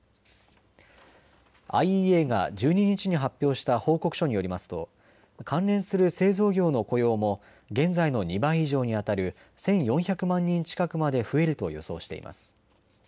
ＩＥＡが１２日に発表した報告書によりますと関連する製造業の雇用も現在の２倍以上にあたる１４００万人近くまで増えると予想しています。